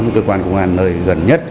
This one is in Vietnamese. với cơ quan công an nơi gần